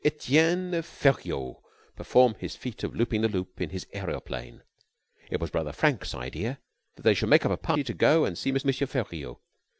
Etienne Feriaud perform his feat of looping the loop in his aeroplane. It was Brother Frank's idea that they should make up a party to go and see M. Feriaud.